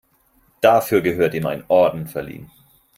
Dafür gehört ihm ein Orden verliehen.